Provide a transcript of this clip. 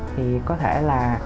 thì có thể là